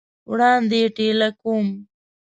وړاندي یې ټېله کوم !